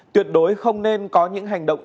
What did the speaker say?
tuyệt đối không nên có những hành động